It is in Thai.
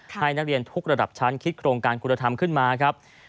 ให้นักเรียนทุกระดับชั้นคิดโครงการคุณธรรมขึ้นมาครับ